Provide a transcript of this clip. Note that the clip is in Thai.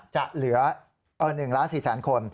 จะเหลือ๑๔ล้านคน